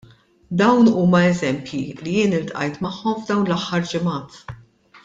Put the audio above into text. Dawn huma eżempji li jien ltqajt magħhom f'dawn l-aħħar ġimgħat.